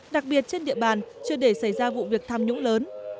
đặc biệt trên địa bàn chưa để xảy ra vụ việc tham nhũng lớn